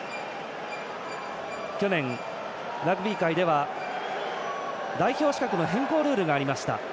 去年、ラグビー界では代表資格の変更ルールがありました。